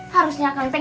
harusnya akan teh